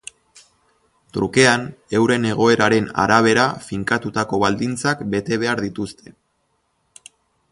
Trukean, euren egoeraren arabera finkatutako baldintzak bete behar dituzte.